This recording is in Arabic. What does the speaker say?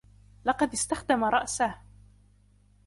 لقد إستخدم رأسه.